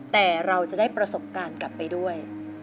แต่เราจะได้ประสบการณ์กลับไปด้วย